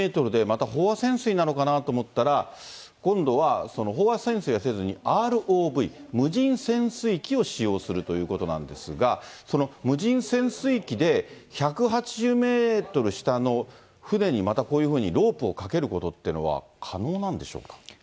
１８２メートルなのかなと思ったら、また飽和潜水なのかなと思ったら、今度は飽和潜水はせずに、ＲＯＶ・無人潜水機を使用するということなんですが、その無人潜水機で１８０メートル下の船にまたこういうふうにロープをかけることっていうのは可能なんでしょうか。